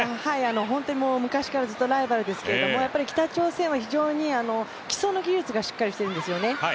本当に昔からずっとライバルですけれども北朝鮮は非常に基礎の技術がしっかりしているんですよね。